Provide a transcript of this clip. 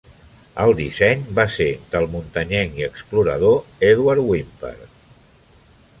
El disseny va ser del muntanyenc i explorador Edward Whymper.